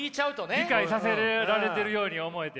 理解させられてるように思えて。